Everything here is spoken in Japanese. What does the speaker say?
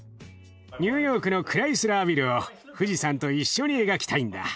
ニューヨークのクライスラービルを富士山と一緒に描きたいんだ。